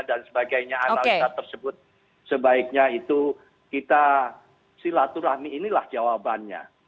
dan sebagainya analisa tersebut sebaiknya itu kita silaturahmi inilah jawabannya